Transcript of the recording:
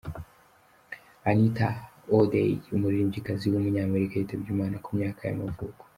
Anita O'Day, umuririmbyikazi w’umunyamerika yitabye Imana ku myaka y’amavuko.